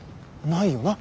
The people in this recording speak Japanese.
ないよな。